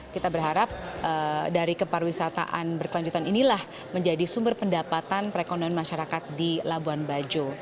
kita berharap dari keparwisataan berkelanjutan inilah menjadi sumber pendapatan perekonomian masyarakat di labuan bajo